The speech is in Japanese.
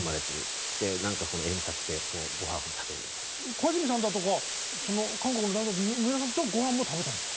小泉さんだとか韓国の大統領の皆さんとごはんも食べたんですか？